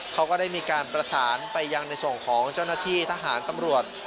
เขาก็ได้มีการประสานไปยังในส่วนของเจ้าหน้าที่ทหารตำรวจ